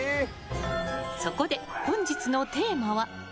そこで本日のテーマは。